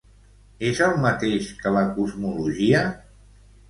És el mateix que la cosmologia?